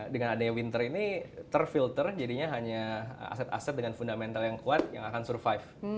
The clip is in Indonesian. dengan adanya winter ini terfilter jadinya hanya aset aset dengan fundamental yang kuat yang akan survive